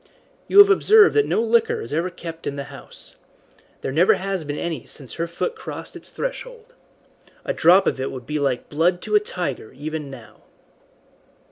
You have observed that no liquor is ever kept in the house. There never has been any since her foot crossed its threshold. A drop of it would be like blood to a tiger even now."